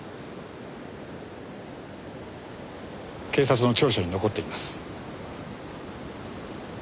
警察の調書に残っています。